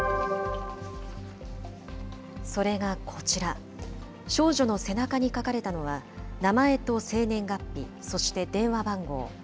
それがこちら、少女の背中に書かれたのは、名前と生年月日、そして電話番号。